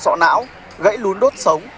sọ não gãy lún đốt sống